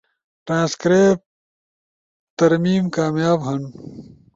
ٹرانسکرائب ترمیم کامیاب ہن